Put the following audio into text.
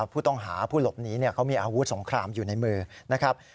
ผู้ต้องหาผู้หลบหนีเขามีอาวุธสงครามอยู่ในมือนะครับ